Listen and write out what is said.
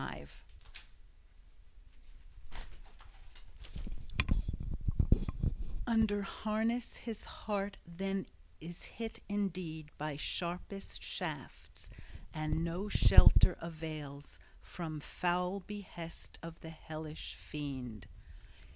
XXV "UNDER harness his heart then is hit indeed by sharpest shafts; and no shelter avails from foul behest of the hellish fiend.